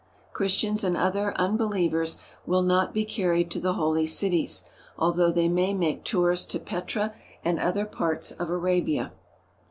Christians and other unbelievers will not be carried to the holy cities, although they may make tours to Petra and other parts of Arabia.